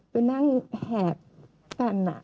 ไปนั่งแหบกันอ่ะ